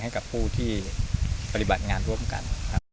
ให้กับผู้ที่ปฏิบัติงานร่วมกันครับ